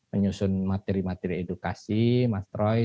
menyusun materi materi edukasi mas troy